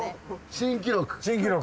新記録！